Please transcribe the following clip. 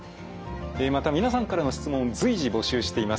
えまた皆さんからの質問随時募集しています。